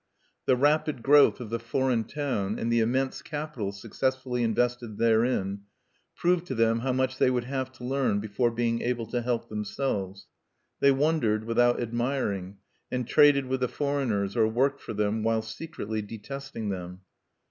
The rapid growth of the foreign town, and the immense capital successfully invested therein, proved to them how much they would have to learn before being able to help themselves. They wondered without admiring, and traded with the foreigners or worked for them, while secretly detesting them.